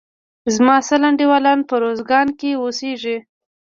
زما سل انډيوالان په روزګان کښي اوسيږي.